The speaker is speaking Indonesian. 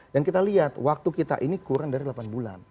dan kita lihat waktu kita ini kurang dari delapan bulan